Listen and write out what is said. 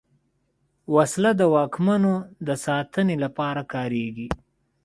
وسله د واکمنو د ساتنې لپاره کارېږي